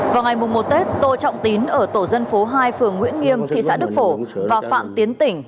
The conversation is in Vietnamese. vào ngày một tết tô trọng tín ở tổ dân phố hai phường nguyễn nghiêm thị xã đức phổ và phạm tiến tỉnh